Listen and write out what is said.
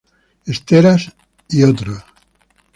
Esteras et al.